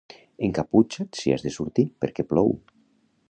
Encaputxa't si has de sortir, perquè plou!